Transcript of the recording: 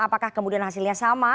apakah kemudian hasilnya sama